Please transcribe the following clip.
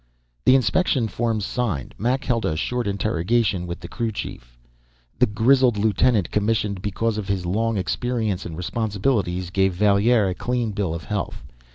The inspection forms signed, Mac held a short interrogation with the crew chief. The grizzled lieutenant, commissioned because of his long experience and responsibilities, gave Valier a clean bill of health.